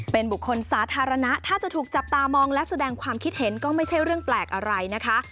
เป็นบุคคลสาธารณะถ้าจะถูกจับตามองและแสดงความคิดเห็นก็ไม่ใช่เรื่องแปลกอะไรนะคะ